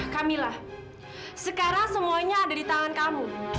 kamilah sekarang semuanya ada di tangan kamu